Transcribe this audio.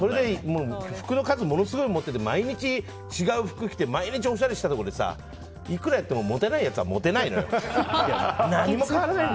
服の数、ものすごい持ってて毎日、違う服着て毎日おしゃれしたところでいくらやってもモテないやつはモテないのよ。